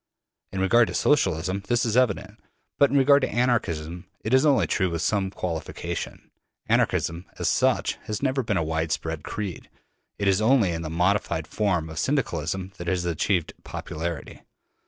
In regard to Socialism this is evident; but in regard to Anarchism it is only true with some qualification. Anarchism as such has never been a widespread creed, it is only in the modified form of Syndicalism that it has achieved popularity.